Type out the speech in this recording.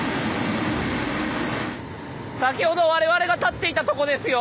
先ほど我々が立っていたとこですよ。